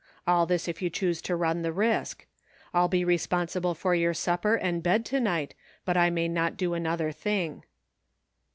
All this if you choose to run the risk. I'll be responsible for your supper and bed to night, but I may not do another thing."